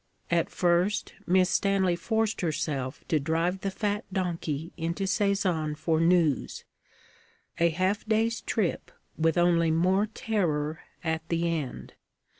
At first Miss Stanley forced herself to drive the fat donkey into Sézanne for news a half day's trip with only more terror at the end.